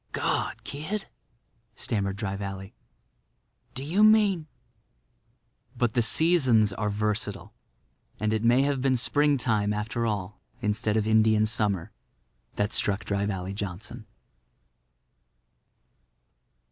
"God, kid!" stammered Dry Valley, "do you mean—?" But the seasons are versatile; and it may have been Springtime, after all, instead of Indian Summer, that struck Dry Valley Johnson.